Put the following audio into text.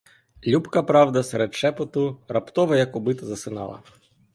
Любка, правда, серед шепоту раптово, як убита, засинала.